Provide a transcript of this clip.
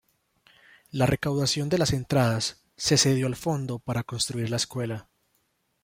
La recaudación de las entradas se cedió al fondo para construir la escuela.